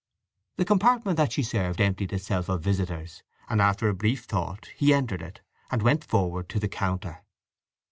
The compartment that she served emptied itself of visitors, and after a brief thought he entered it, and went forward to the counter.